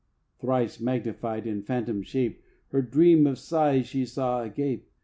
Thrice magnified, in phantom shape, Her dream of size she saw, agape.